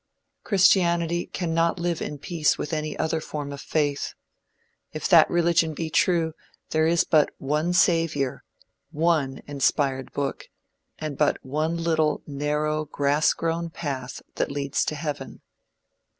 Christianity cannot live in peace with any other form of faith. If that religion be true, there is but one savior, one inspired book, and but one little narrow grass grown path that leads to heaven.